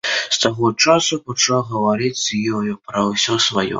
З таго часу пачаў гаварыць з ёю пра ўсё сваё.